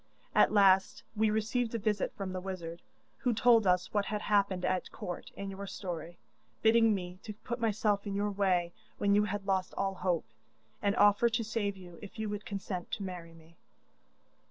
At last we received a visit from the wizard, who told us what had happened at court, and your story, bidding me to put myself in your way when you had lost all hope, and offer to save you if you would consent to marry me.